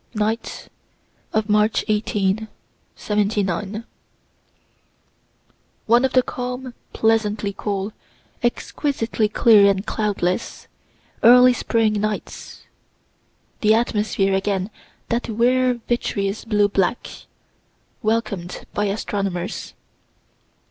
Night of March 18, '79. One of the calm, pleasantly cool, exquisitely clear and cloudless, early spring nights the atmosphere again that rare vitreous blue black, welcom'd by astronomers.